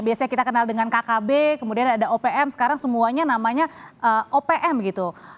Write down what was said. biasanya kita kenal dengan kkb kemudian ada opm sekarang semuanya namanya opm gitu